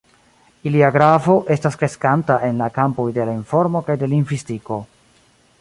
Ilia gravo estas kreskanta en la kampoj de la informo kaj de lingvistiko.